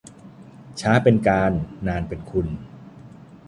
ช้าเป็นการ นานเป็นคุณ